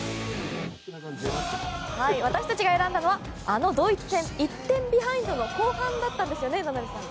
私たちが選んだのはあのドイツ戦、１点ビハインドの後半ですね、名波さん。